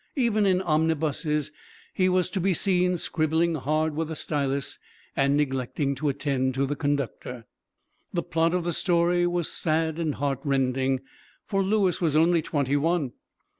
Even in omnibuses he was to be seen scribbling hard with a stylus, and neglecting to attend to the conductor. The plot of the story was sad and heartrending, for Louis was only twenty one.